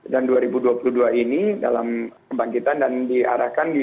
dan dua ribu dua puluh dua ini dalam kebangkitan dan diarahkan di dua ribu dua puluh empat ini